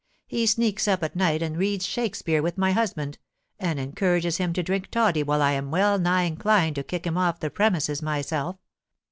He sneaks up at night, and reads Shakespeare with my husband, and en courages him to drink toddy till I am well nigh inclined to kick him off the premises myself.